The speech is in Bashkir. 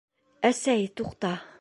Әсәй, туҡта!